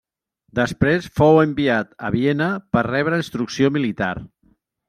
Després fou enviat a Viena per rebre instrucció militar.